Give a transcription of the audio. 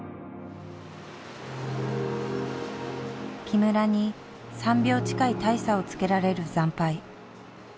木村に３秒近い大差をつけられる惨敗。